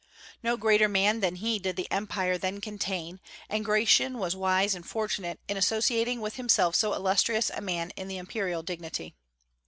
No greater man than he did the Empire then contain, and Gratian was wise and fortunate in associating with himself so illustrious a man in the imperial dignity.